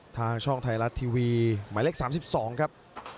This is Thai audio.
ทางช่องไทยรัฐทีวีหมายเลข๓๒ครับ